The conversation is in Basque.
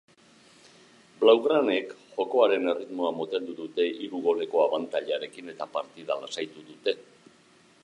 Blaugranek jokoaren erritmoa moteldu dute hiru goleko abantailarekin eta partida lasaitu dute.